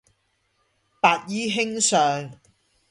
白衣卿相